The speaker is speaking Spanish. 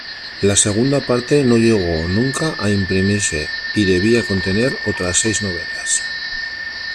La segunda parte no llegó nunca a imprimirse, y debía contener otras seis novelas.